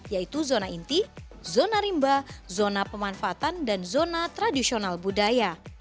yaitu zona inti zona rimba zona pemanfaatan dan zona tradisional budaya